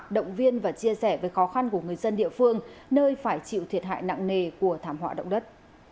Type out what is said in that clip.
động viên và chia sẻ với khó khăn của người dân địa phương nơi phải chịu thiệt hại nặng nề của thảm họa động đất